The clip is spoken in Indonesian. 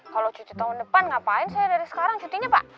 kalau cuci tahun depan ngapain saya dari sekarang cutinya pak